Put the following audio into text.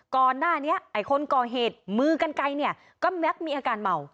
ก่อนหน้านี้ไอ้คนก่อเหตุมือกันไกลเนี่ยก็แม็กมีอาการเมา